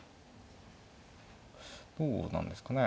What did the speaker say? どうなんですかね。